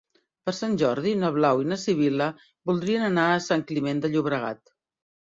Per Sant Jordi na Blau i na Sibil·la voldrien anar a Sant Climent de Llobregat.